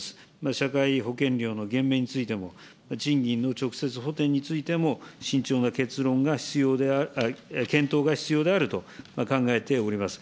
社会保険料の減免についても、賃金の直接補填についても、慎重な検討が必要であると考えております。